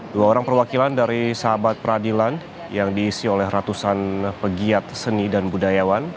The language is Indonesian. dua orang perwakilan dari sahabat peradilan yang diisi oleh ratusan pegiat seni dan budayawan